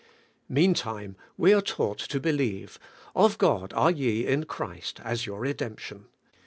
Meantime we are taught to believe : Of God are ye in Christ, as your redemption.